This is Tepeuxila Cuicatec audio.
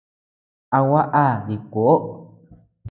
¿A gua á dikuoʼo?